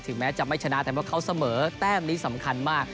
แม้จะไม่ชนะแต่ว่าเขาเสมอแต้มนี้สำคัญมาก